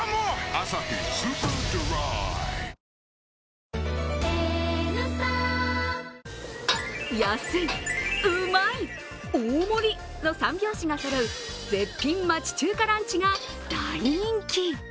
「アサヒスーパードライ」安い、うまい、大盛りの３拍子がそろう絶品・町中華ランチが大人気。